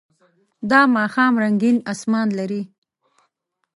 دا ماښام رنګین آسمان لري.